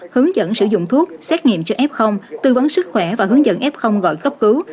hướng dẫn sử dụng thuốc xét nghiệm cho f tư vấn sức khỏe và hướng dẫn f gọi cấp cứu